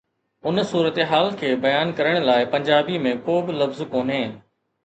ان صورتحال کي بيان ڪرڻ لاءِ پنجابي ۾ ڪو به لفظ ڪونهي.